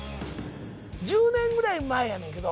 １０年ぐらい前やねんけど